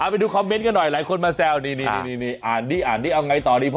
เอาไปดูคอมเมนท์กันหน่อยหลายคนมาแซวนี้อ่านที่วันนี้พ่อ